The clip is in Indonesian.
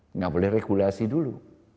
enggak boleh regulasi dulu